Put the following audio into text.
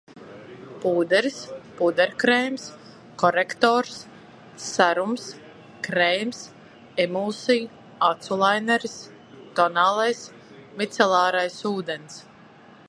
Pūderis, pūderkrēms, korektors, serums, krēms, emulsija, acu laineris, tonālais. Micelārais ūdens.